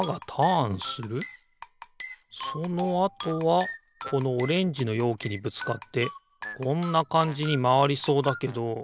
そのあとはこのオレンジのようきにぶつかってこんなかんじにまわりそうだけど。